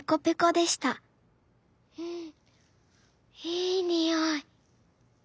いいにおい！